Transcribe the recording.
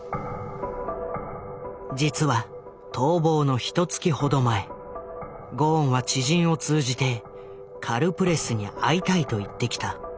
実は逃亡のひとつきほど前ゴーンは知人を通じてカルプレスに会いたいと言ってきた。